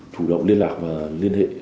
chủ động liên lạc và liên hệ